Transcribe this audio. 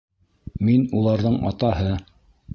Мин уларҙың атаһы!